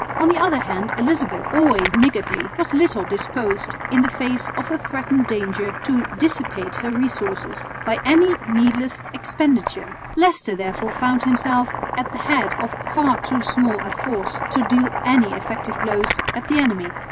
On the other hand Elizabeth, always niggardly, was little disposed in face of the threatened danger to dissipate her resources by any needless expenditure. Leicester therefore found himself at the head of far too small a force to deal any effective blows at the enemy.